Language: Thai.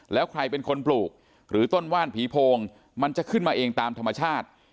แล้วใครเป็นคนปลูกหรือต้นว่านผีโพงมันจะขึ้นมาเองตามธรรมชาติ